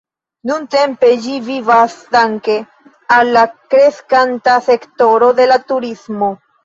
Nuntempe ĝi vivas danke al la kreskanta sektoro de la turismo.